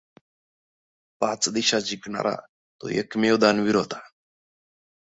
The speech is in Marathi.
पाच दिशा जिकणारा तो एकमेव दानवीर होता.